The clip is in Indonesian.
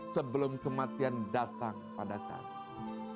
sebelum kematian datang padakami